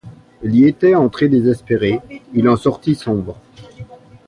Il y était entré désespéré; il en sortit sombre.